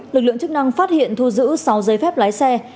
lực lượng chức năng phát hiện thu giữ sáu giấy phép lái xe